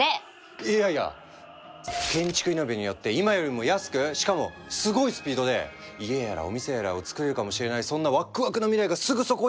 いやいや建築イノベによって今よりも安くしかもすごいスピードで家やらお店やらをつくれるかもしれないそんなワックワクな未来がすぐそこに！